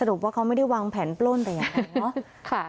สรุปว่าเขาไม่ได้วางแผนปล้นแต่อย่างไร